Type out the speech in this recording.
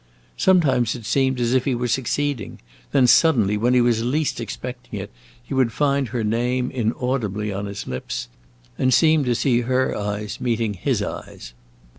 Sometimes it seemed as if he were succeeding; then, suddenly, when he was least expecting it, he would find her name, inaudibly, on his lips, and seem to see her eyes meeting his eyes.